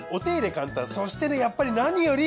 簡単そしてやっぱり何より。